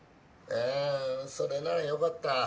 「あそれならよかった。